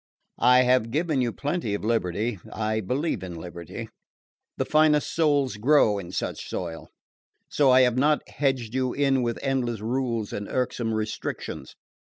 "I have given you plenty of liberty. I believe in liberty. The finest souls grow in such soil. So I have not hedged you in with endless rules and irksome restrictions.